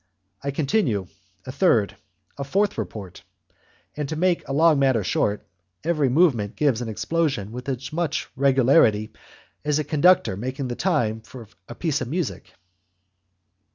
I continue; a third, a fourth report, and, to make a long matter short, each movement gives an explosion with as much regularity as a conductor making the time for a piece of music!